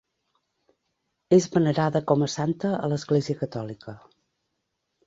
És venerada com a santa a l'Església catòlica.